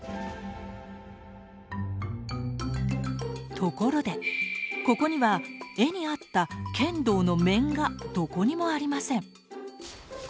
ところでここには絵にあった剣道の面がどこにもありません。